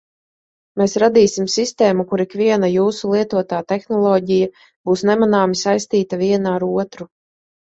Mēs radīsim sistēmu, kur ikviena jūsu lietotā tehnoloģija būs nemanāmi saistīta viena ar otru.